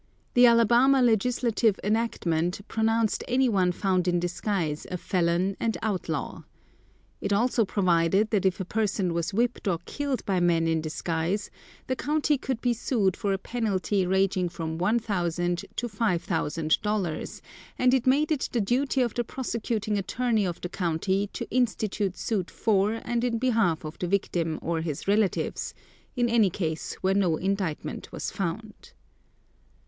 The Alabama legislative enactment pronounced anyone found in disguise a felon and outlaw. It also provided that if a person was whipped or killed by men in disguise, the county could be sued for a penalty ranging from $1,000 to $5,000; and it made it the duty of the prosecuting attorney of the county to institute suit for and in behalf of the victim or his relatives, in any case where no indictment was found.